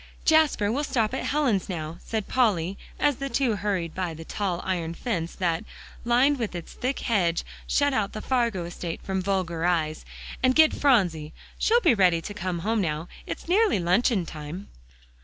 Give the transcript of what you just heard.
"Jasper, we'll stop at Helen's now," said Polly as the two hurried by the tall iron fence, that, lined with its thick hedge, shut out the Fargo estate from vulgar eyes, "and get Phronsie; she'll be ready to come home now; it's nearly luncheon time."